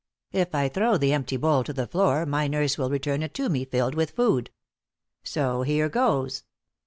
If I throw the empty bowl to the floor, my nurse will return it to me filled with food. So here goes!